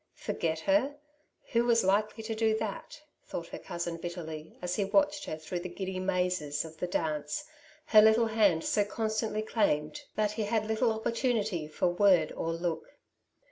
'•Forget her? Who was likely to do that?'' thought her cousin bitterly, as he watched hor throngh the giddy mjizes of the dance, her little hand so constantly claimed that he had little oppor tnnity for word or look.